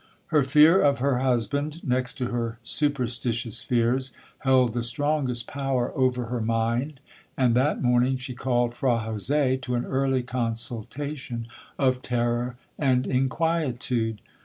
Her fear of her husband, next to her superstitious fears, held the strongest power over her mind, and that morning she called Fra Jose to an early consultation of terror and inquietude.